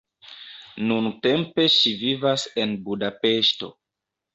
Nuntempe ŝi vivas en Budapeŝto.